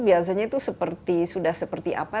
biasanya itu sudah seperti apa